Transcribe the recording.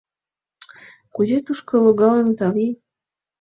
— Кузе тушко логалынат, авий?